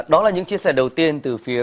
đó là những chia sẻ đầu tiên từ phía